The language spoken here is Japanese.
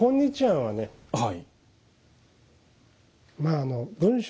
はい。